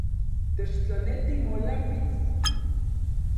Techtlaneti molápiz